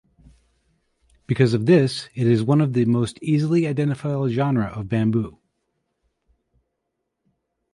Because of this it is one of the most easily identifiable genera of bamboo.